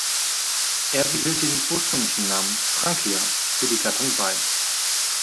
Er behielt den ursprünglichen Namen „Frankia“ für die Gattung bei.